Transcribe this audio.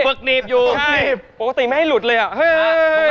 ปกติไม่ให้หลุดเลยอ่ะเฮ้ย